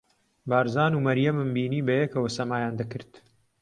بارزان و مەریەمم بینی بەیەکەوە سەمایان دەکرد.